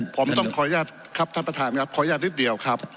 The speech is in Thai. ผมต้องขออนุญาตครับท่านประธานครับขออนุญาตนิดเดียวครับ